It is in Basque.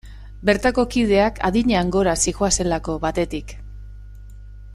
Bertako kideak adinean gora zihoazelako, batetik.